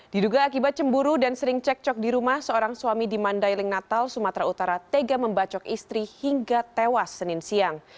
diduga akibat cemburu dan sering cek cok di rumah seorang suami di mandailing natal sumatera utara tega membacok istri hingga tewas senin siang